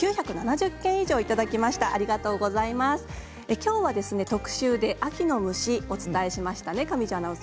きょうは特集で秋の虫をお伝えしましたね。